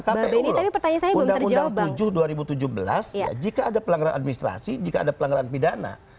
karena undang undang tujuh dua ribu tujuh belas jika ada pelanggaran administrasi jika ada pelanggaran pidana